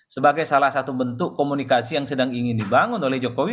sebagai salah satu bentuk komunikasi yang sedang ingin dibangun oleh jokowi